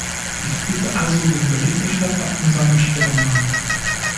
Ich bitte also den Berichterstatter um seine Stellungnahme.